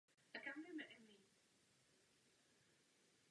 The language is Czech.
Proto se nyní chystáme uvedené nařízení přezkoumat.